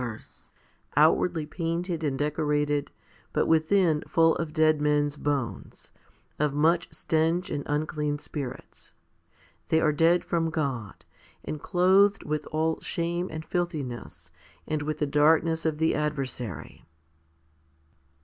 X 269 2 70 FIFTY SPIRITUAL HOMILIES outwardly painted and decorated, but within full of dead men's bones, 1 of much stench and unclean spirits. They are dead from God, and clothed with all shame and filthi ness and with the darkness of the adversary.